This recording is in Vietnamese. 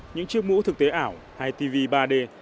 những chiếc mũ thực tế ảo hay tv ba d